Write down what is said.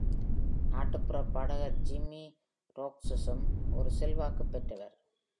நாட்டுப்புற பாடகர் ஜிம்மி ரோட்ஜர்ஸும் ஒரு செல்வாக்கு பெற்றவர்.